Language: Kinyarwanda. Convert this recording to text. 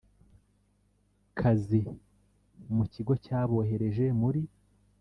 kazi mu kigo cyabohereje muri